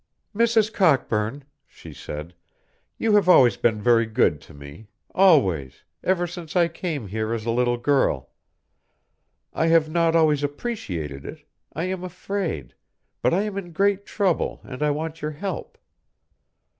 "Mrs. Cockburn," she said, "you have always been very good to me, always, ever since I came here as a little girl. I have not always appreciated it, I am afraid, but I am in great trouble, and I want your help."